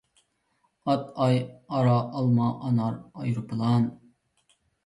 ئات، ئاي، ئارا، ئالما، ئانار، ئايروپىلان.